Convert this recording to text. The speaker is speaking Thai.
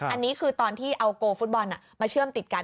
อันนี้คือตอนที่เอาโกฟุตบอลมาเชื่อมติดกัน